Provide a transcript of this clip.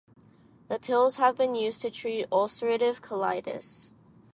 The pills have been used to treat ulcerative colitis.